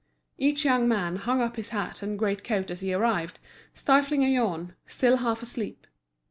Each young man hung up his hat and great coat as he arrived, stifling a yawn, still half asleep.